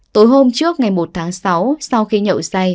tối hôm trước ngày một tháng sáu sau khi nhậu say